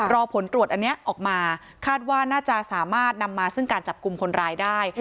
รอผลตรวจอันนี้ออกมาคาดว่าน่าจะสามารถนำมาซึ่งการจับกลุ่มคนร้ายได้